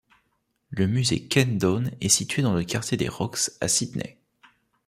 Le musée Ken Done est situé dans le quartier des Rocks à Sydney.